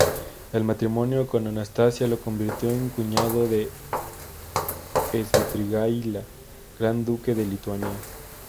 El matrimonio con Anastasia lo convirtió en cuñado de Švitrigaila, Gran Duque de Lituania.